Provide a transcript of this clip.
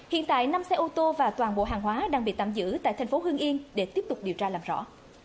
hiện tại năm xe ô tô và toàn bộ hàng hóa đang bị tạm giữ tại thành phố hưng yên để tiếp tục điều tra làm rõ